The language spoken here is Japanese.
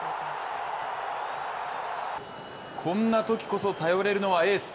こんなときこそ頼れるのがエース。